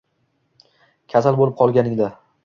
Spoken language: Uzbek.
Kasal bo'lib qolganingda